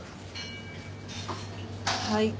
はい。